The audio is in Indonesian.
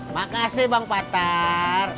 makasih bang patar